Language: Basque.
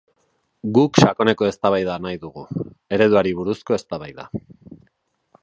Guk sakoneko eztabaida nahi dugu, ereduari buruzko eztabaida.